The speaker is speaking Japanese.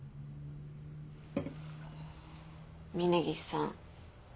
峰岸さん。